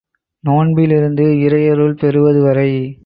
நோன்பிலிருந்து இறையருள் பெறுவது வரை.